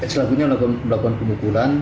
selanjutnya melakukan pemukulan